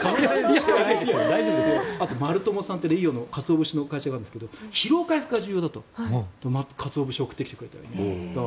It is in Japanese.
あと、マルトモさんってカツオ節の会社があるんですけど疲労回復が重要だってカツオ節を送ってきてくれたりとか。